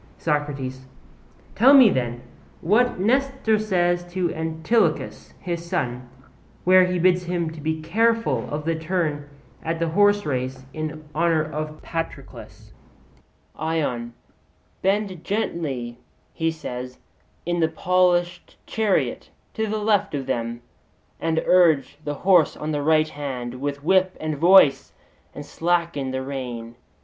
SOCRATES: Tell me then, what Nestor says to Antilochus, his son, where he bids him be careful of the turn at the horserace in honour of Patroclus. ION: 'Bend gently,' he says, 'in the polished chariot to the left of them, and urge the horse on the right hand with whip and voice; and slacken the rein.